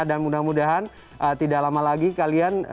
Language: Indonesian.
dan mudah mudahan tidak lama lagi kalian